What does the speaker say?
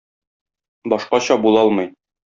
Башкача була алмый.